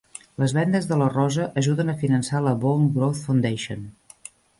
Les vendes de la rosa ajuden a finançar la Bone Growth Foundation.